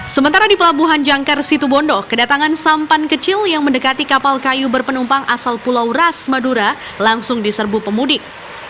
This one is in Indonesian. sementara di pelabuhan jangkar situbondo kedatangan sampan kecil yang mendekati kapal kayu berpenumpang asal pulau ras madura langsung diserbu pemudik